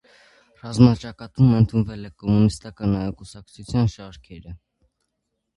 Ռազմաճակատում ընդունվել է կոմունիստական կուսակցության շարքերը։